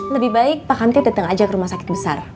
lebih baik pak kantin datang aja ke rumah sakit besar